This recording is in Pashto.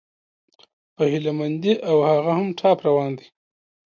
په هيله مندي، او هغه هم ټاپ روان دى